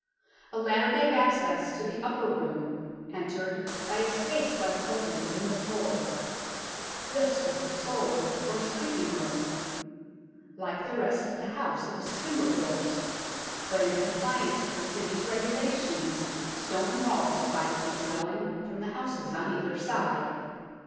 A ladder gave access to the upper room, entered by a space left open in the floor. This was the solar, or sleeping room. Like the rest of the house, it was timber built, but in com pliance with the City's regulations stone walls divided the dwelling from the houses on either side.